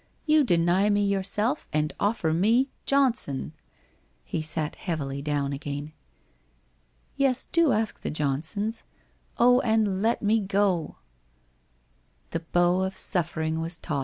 You deny me yourself, and offer me — Johnson !' He sat heav ily down again. ' Yes, do ask the Johnsons. Oh, and let me go !' The bow of suffering was taut.